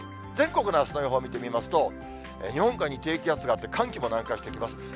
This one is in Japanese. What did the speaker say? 全国のあすの予報見てみますと、日本海に低気圧があって、寒気も南下してきます。